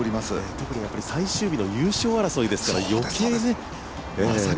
特に最終日の優勝争いですから、余計ね。